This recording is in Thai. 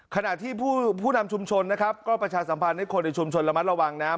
ขณะที่ผู้ทำชุมชนนะครับก็ประชาสัมพันธ์ของชุมชนระมัดระวังนะ